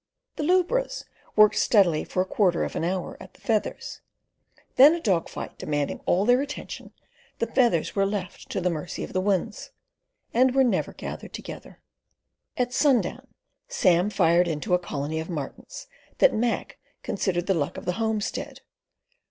The lubras worked steadily for a quarter of an hour at the feathers; then a dog fight demanding all their attention, the feathers were left to the mercy of the winds, and were never gathered together. At sundown Sam fired into a colony of martins that Mac considered the luck of the homestead.